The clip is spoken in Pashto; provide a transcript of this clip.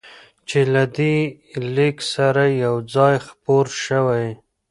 چې له دې لیک سره یو ځای خپور شوی،